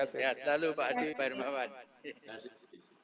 sehat selalu pak adi pak hermawan